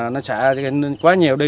nó xả quá nhiều đi